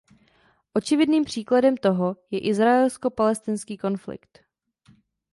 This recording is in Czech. Očividným příkladem toho je Izraelsko-palestinský konflikt.